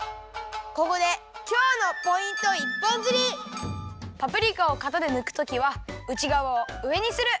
ここでパプリカをかたでぬくときはうちがわをうえにする！